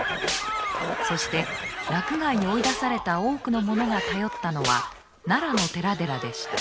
そして洛外に追い出された多くの者が頼ったのは奈良の寺々でした。